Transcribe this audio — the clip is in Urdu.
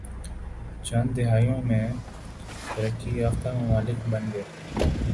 چند دہائیوں میں ترقی یافتہ ممالک بن گئے